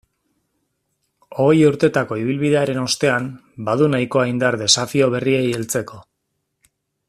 Hogei urtetako ibilbidearen ostean, badu nahikoa indar desafio berriei heltzeko.